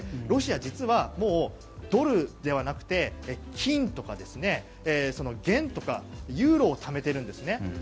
ロシア、実はもうドルではなくて金とか元とかユーロをためているんですね。